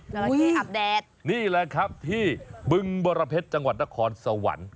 จาระเคอับแดดนี่แหละครับที่บึงบรเผ็ดจังหวัดนครสวรรค์